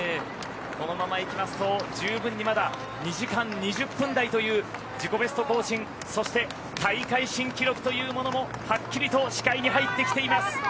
このままいきますと十分にまだ２時間２０分台という自己ベスト更新そして大会新記録というものもはっきりと視界に入ってきています。